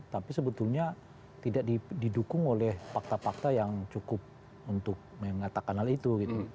tapi sebetulnya tidak didukung oleh fakta fakta yang cukup untuk mengatakan hal itu